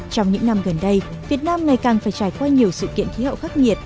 trong những năm gần đây việt nam ngày càng phải trải qua nhiều sự kiện khí hậu khắc nghiệt